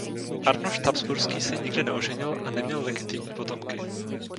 Arnošt Habsburský se nikdy neoženil a neměl legitimní potomky.